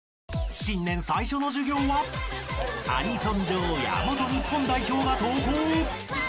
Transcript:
［新年最初の授業はアニソン女王や元日本代表が登校］